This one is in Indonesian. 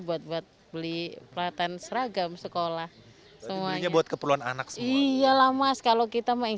buat buat beli pelatihan seragam sekolah semuanya buat keperluan anak iya lama sekali kita main